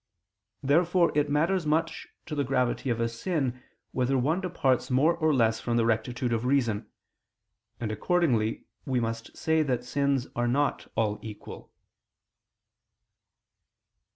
Therefore it matters much to the gravity of a sin whether one departs more or less from the rectitude of reason: and accordingly we must say that sins are not all equal.